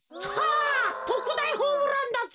あとくだいホームランだぜ。